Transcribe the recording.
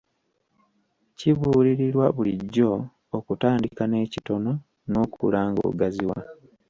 Kibuulirirwa bulijjo okutandika n'ekitono n'okula n'ogaziwa.